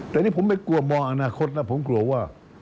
แต่นี่ผมไม่กลัวมองอนาคตนะผมกลัวว่า